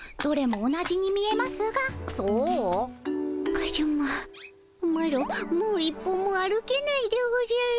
カズママロもう一歩も歩けないでおじゃる。